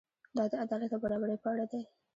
دا د عدالت او برابرۍ په اړه دی.